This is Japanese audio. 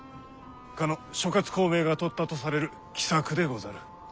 かの諸孔明がとったとされる奇策でござる。